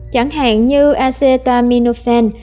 chẳng hạn như acetaminophen